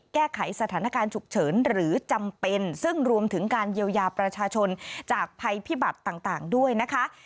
แก้ไขสถานการณ์ฉุกเฉินหรือจำเป็นซึ่งรวมถึงการเยียวยาประชาชนจากภัยพิบัติต่างด้วยนะคะ